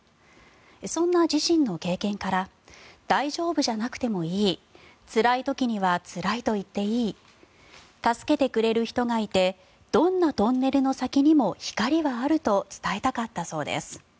そんな自身の経験から大丈夫じゃなくてもいいつらい時にはつらいと言っていい助けてくれる人がいてどんなトンネルの先にも光はあると伝えたかったそうです。